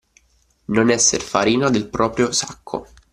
Non esser farina del proprio sacco.